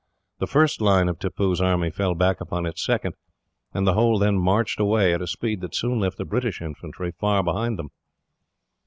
The first line of Tippoo's army fell back upon its second, and the whole then marched away, at a speed that soon left the British infantry far behind them.